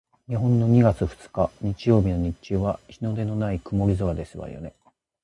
日本の二月二日日曜日の日中は日のでない曇り空ですわよね？